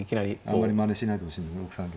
あんまりまねしないでほしいんだよね